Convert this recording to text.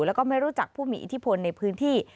แล้วก็ไม่รู้จักผู้มีอิทธิพลในพื้นที่